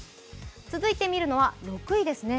続いて見るのは６位ですね。